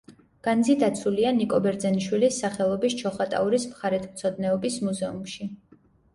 განძი დაცულია ნიკო ბერძენიშვილის სახელობის ჩოხატაურის მხარეთმცოდნეობის მუზეუმში.